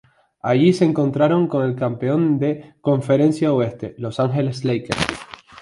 Allí se encontraron con el campeón de la Conferencia Oeste, Los Angeles Lakers.